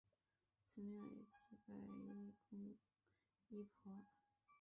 此庙也祭拜医公医婆。